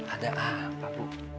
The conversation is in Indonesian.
ada apa bu